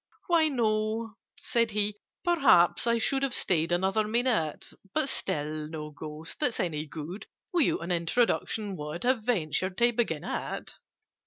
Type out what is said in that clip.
"Why, no," said he; "perhaps I should Have stayed another minute— But still no Ghost, that's any good, Without an introduction would Have ventured to begin it.